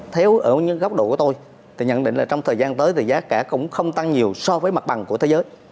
nếu ở những góc độ của tôi thì nhận định là trong thời gian tới thì giá cả cũng không tăng nhiều so với mặt bằng của thế giới